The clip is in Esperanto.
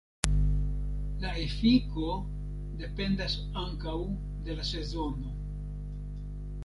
La efiko dependas ankaŭ de la sezono.